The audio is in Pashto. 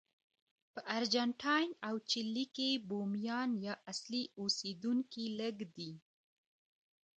په ارجنټاین او چیلي کې بومیان یا اصلي اوسېدونکي لږ دي.